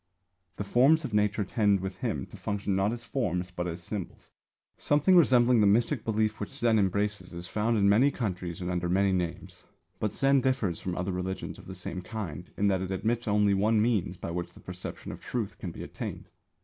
The forms of Nature tend with him to function not as forms but as symbols. Something resembling the mystic belief which Zen embraces is found in many countries and under many names. But Zen differs from other religions of the same kind in that it admits only one means by which the perception of Truth can be attained.